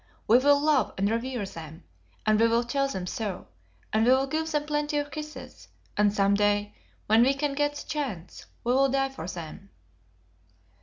"We will love and revere them, and we will tell them so; and we will give them plenty of kisses, and some day, when we can get the chance, we will die for them."